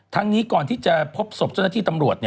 นี้ก่อนที่จะพบศพเจ้าหน้าที่ตำรวจ